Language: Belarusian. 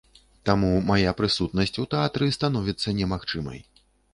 Таму мая прысутнасць у тэатры становіцца немагчымай.